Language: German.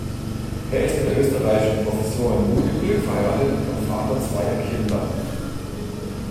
Er ist mit der österreichischen Professorin Judith Glück verheiratet und Vater zweier Kinder.